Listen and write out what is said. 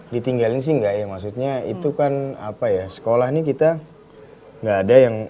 ditinggalin sih enggak ya maksudnya itu kan apa ya sekolah nih kita nggak ada yang